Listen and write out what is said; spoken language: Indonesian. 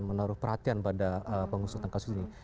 menaruh perhatian pada pengusaha tangkas ini